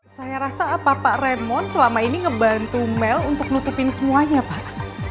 saya rasa apa pak remon selama ini ngebantu mel untuk nutupin semuanya pak